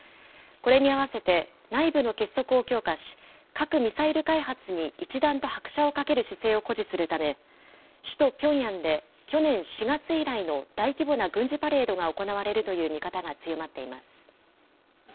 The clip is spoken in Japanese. これに合わせて、内部の結束を強化し、核・ミサイル開発に一段と拍車をかける姿勢を誇示するため、首都ピョンヤンで去年４月以来の大規模な軍事パレードが行われるという見方が強まっています。